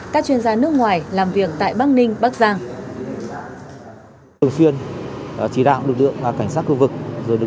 các chuyên gia nước ngoài làm việc tại bắc ninh bắc giang